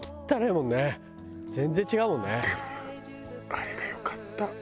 あれがよかった？